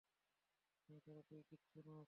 আমি ছাড়া তুই কিচ্ছু নোস।